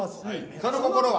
その心は。